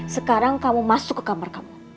sekarang kamu masuk ke kamar kamu